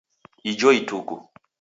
Ijo Ituku.